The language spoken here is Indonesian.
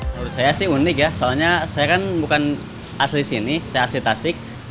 menurut saya sih unik ya soalnya saya kan bukan asli sini saya asli tasik